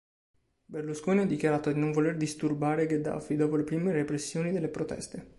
Berlusconi ha dichiarato di non voler "disturbare" Gheddafi, dopo le prime repressioni delle proteste.